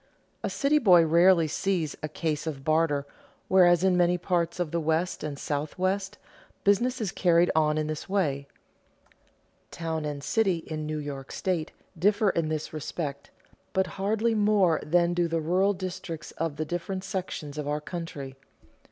A city boy rarely sees a case of barter; whereas in many parts of the West and Southwest, and in the mountainous districts of the East, a large part of the business is carried on in this way. Town and city in New York state differ in this respect, but hardly more than do the rural districts of the different sections of our country.